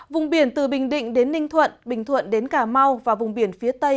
vùng biển từ bình định đến ninh thuận bình thuận đến cà mau và vùng biển phía tây